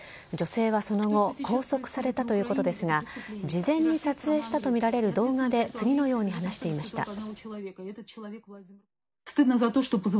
女性はその後、拘束されたということですが、事前に撮影したと見られる動画で次のように話していました。